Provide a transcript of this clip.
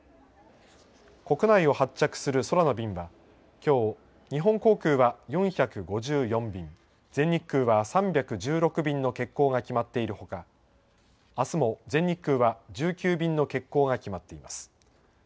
国内を発着する空の便は、きょう日本航空は４５４便、全日空は３１６便の欠航が決まっているほか、あすも全日空は１９便の欠航が決まっています。